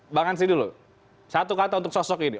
mbak ansyi dulu satu kata untuk sosok ini